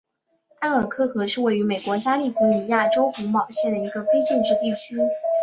埃尔克河是位于美国加利福尼亚州洪堡县的一个非建制地区。